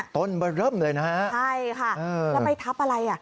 ต้นเบอร์เริ่มเลยนะฮะใช่ค่ะแล้วไปทับอะไรอ่ะ